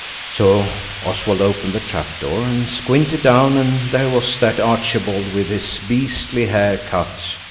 So Oswald opened the trap door and squinted down, and there was that Archibald with his beastly hair cut.